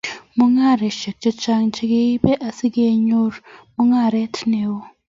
mungareishek chechang chegiibe asigenyor mungaret neo